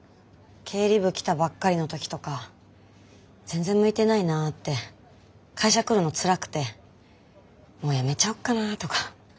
経理部来たばっかりの時とか全然向いてないなって会社来るのつらくてもう辞めちゃおっかなとか。